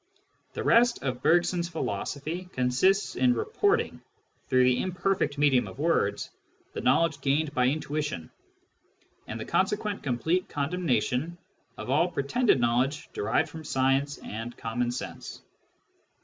The rest of Bergson's philosophy consists in reporting, through the imperfect medium of words, the knowledge gained by intuition, and the consequent complete condemnation of all the pretended knowledge derived from science and common sense.